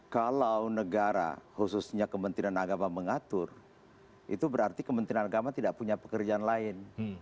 kalau negara khususnya kementerian agama mengatur itu berarti kementerian agama tidak punya pekerjaan lain